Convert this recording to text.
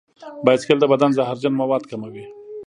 بایسکل د بدن زهرجن مواد کموي.